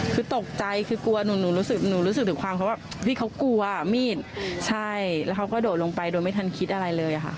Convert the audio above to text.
คือตกใจคือกลัวหนูรู้สึกหนูรู้สึกถึงความเขาว่าเฮ้ยเขากลัวมีดใช่แล้วเขาก็โดดลงไปโดยไม่ทันคิดอะไรเลยค่ะ